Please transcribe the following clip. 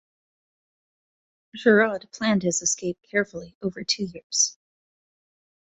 Giraud planned his escape carefully over two years.